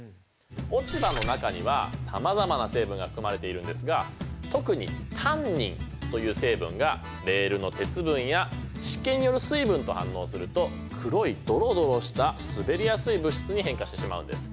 落ち葉の中にはさまざまな成分が含まれているんですが特にタンニンという成分がレールの鉄分や湿気による水分と反応すると黒いドロドロした滑りやすい物質に変化してしまうんです。